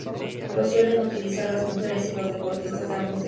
Lo suelen utilizar las mujeres y los deportistas de ambos sexos.